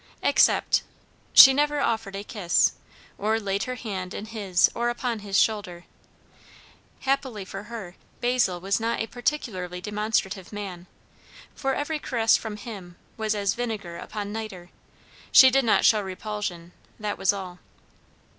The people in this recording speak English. Except, she never offered a kiss, or laid her hand in his or upon his shoulder. Happily for her, Basil was not a particularly demonstrative man; for every caress from him was "as vinegar upon nitre;" she did not show repulsion, that was all.